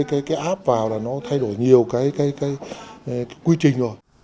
các app thay đổi nhiều quy trình